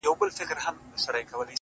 • میکده په نامه نسته، هم حرم هم محرم دی،